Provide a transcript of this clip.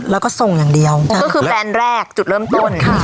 แล้วก็ส่งอย่างเดียวก็คือแบรนด์แรกจุดเริ่มต้น